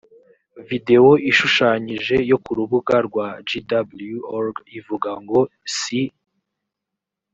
videwo ishushanyije yo ku rubuga rwa jw org ivuga ngo si